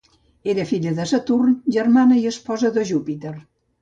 Era filla de Saturn, germana i esposa de Júpiter.